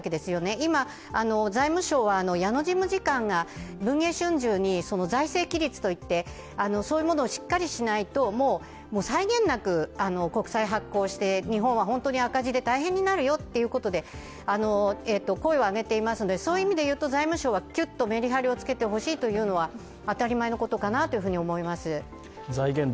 今、財務省は矢野事務次官が「文藝春秋」に財政規律といってそういうものをしっかりしないと際限なく国債発行して日本は本当に赤字で大変になるよということで声を上げていますので財務省はきゅっとめりはりをつけてほしいというのは当たり前のことかなと思います。